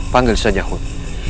panggil saja hud